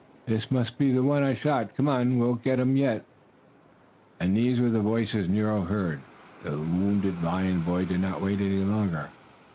"This must be the one I shot! Come on, we'll get him yet!" And these were the voices Nero heard. The wounded lion boy did not wait any longer.